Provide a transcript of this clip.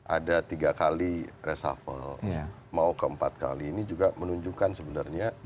ada tiga kali resafel mau ke empat kali ini juga menunjukkan sebenarnya